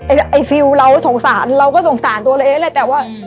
าไอฟิวเราสงสารเราก็สงสารตัวเรนเท่าว่า